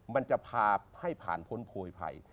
มันจะพาให้ผ่านพ้นโพยภัย